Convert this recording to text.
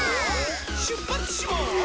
しゅっぱつします！